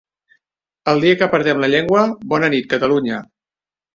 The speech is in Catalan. El dia que perdem la llengua, bona nit Catalunya!